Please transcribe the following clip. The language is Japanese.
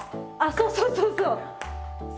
そうそうそうそう。